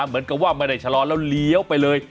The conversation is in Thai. เหมือนกับว่าไม่ได้ชะลอแล้วเลี้ยวไปเลย